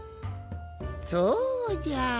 そうじゃ。